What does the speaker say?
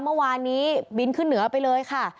เมื่อวานนี้บินขึ้นเหนือไปเลยค่ะ